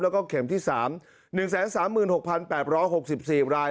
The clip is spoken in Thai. แล้วก็เข็มที่๓๑๓๖๘๖๔ราย